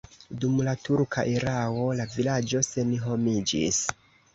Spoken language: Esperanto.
Dum la turka erao la vilaĝo senhomiĝis.